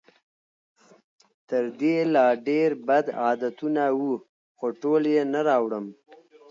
تر دې لا ډېر بد عادتونه وو، خو ټول یې نه راوړم.